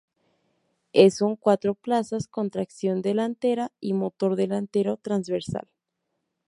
Es un cuatro plazas con tracción delantera y motor delantero transversal.